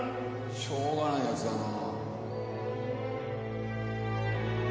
しょうがないヤツだな